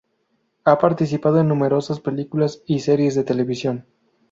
Ha participado en numerosas películas y series de televisión